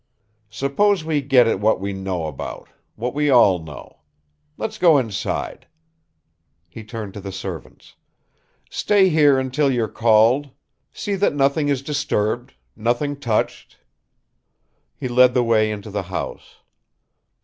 "Suppose we get at what we know about it what we all know. Let's go inside." He turned to the servants: "Stay here until you're called. See that nothing is disturbed, nothing touched." He led the way into the house.